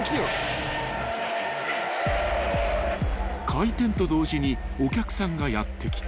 ［開店と同時にお客さんがやって来た］